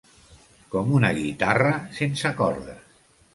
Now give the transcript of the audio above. Com una guitarra sense cordes.